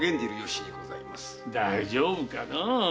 大丈夫かのう。